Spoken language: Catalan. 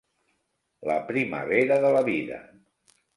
La primavera de la vida.